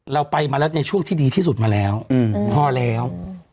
เราไปมาแล้วในช่วงที่ดีที่สุดมาแล้วพอแล้ว